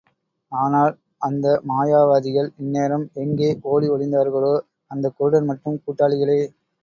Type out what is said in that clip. ஆனால், அந்த மாயவாதிகள் இந்நேரம் எங்கே ஓடி ஒளிந்தார்களோ அந்தக் குருடன் மட்டும் கூட்டாளிகளே!